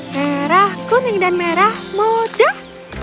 merah kuning dan merah mudah